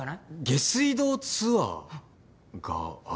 下水道ツアーがあるんですね。